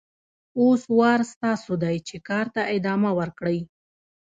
اوس وار ستاسو دی چې کار ته ادامه ورکړئ.